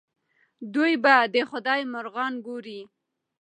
دوی به د خدای مرغان ګوري.